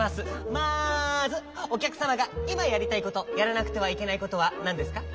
まずおきゃくさまがいまやりたいことやらなくてはいけないことはなんですか？